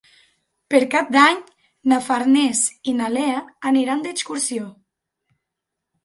Per Cap d'Any na Farners i na Lea aniran d'excursió.